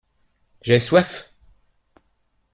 J’ai soif.